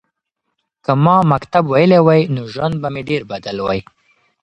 که ما مکتب ویلی وای نو ژوند به مې ډېر بدل وای.